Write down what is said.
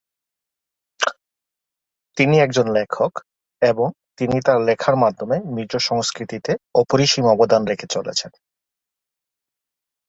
তিনি একজন লেখক এবং তিনি তাঁর লেখার মাধ্যমে মিজো সংস্কৃতিতে অপরিসীম অবদান রেখে চলেছেন।